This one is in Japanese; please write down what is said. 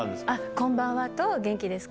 こんばんはと元気ですか？